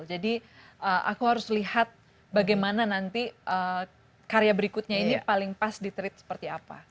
jadi aku harus lihat bagaimana nanti karya berikutnya ini paling pas di treat seperti apa